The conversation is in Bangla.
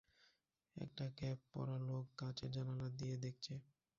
একটা ক্যাপ পরা লোক কাঁচের জানালা দিয়ে দেখছে